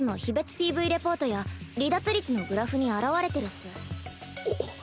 ＰＶレポートや離脱率のグラフに表れてるっス。